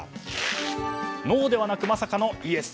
「ノー」ではなくまさかの「イエス」。